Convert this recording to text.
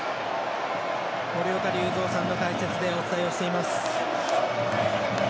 森岡隆三さんの解説でお伝えをしています。